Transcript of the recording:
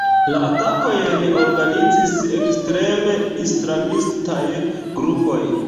La atakojn organizis ekstrem-islamistaj grupoj.